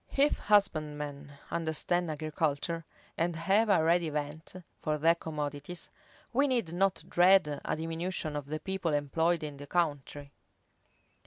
If husbandmen understand agriculture, and have a ready vent for their commodities, we need not dread a diminution of the people employed in the country.